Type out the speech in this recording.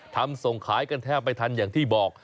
ส่งขายกันแทบไม่ทันอย่างที่บอก